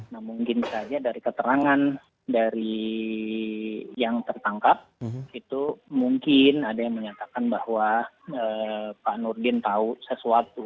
nah mungkin saja dari keterangan dari yang tertangkap itu mungkin ada yang menyatakan bahwa pak nurdin tahu sesuatu